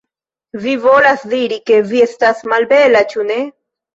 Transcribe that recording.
Vi volas diri, ke vi estas malbela, ĉu ne?